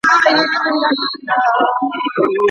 ولي هڅاند سړی د وړ کس په پرتله لاره اسانه کوي؟